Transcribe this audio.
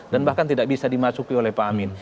dan bahkan tidak bisa dimasuki oleh pak amin